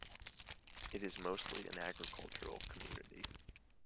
It is mostly an agricultural community.